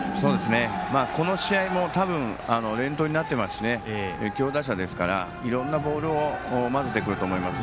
この試合も連投になってますし強打者ですからいろんなボールを交ぜてくると思います。